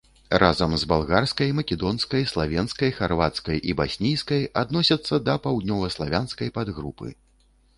Разам з балгарскай, македонскай, славенскай, харвацкай і баснійскай адносіцца да паўднёваславянскай падгрупы.